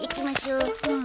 うん。